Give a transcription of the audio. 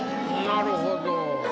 なるほど。